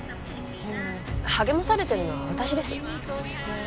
励まされてるのは私です